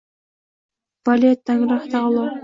Vale Tangri taolo –